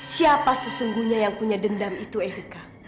siapa sesungguhnya yang punya dendam itu etika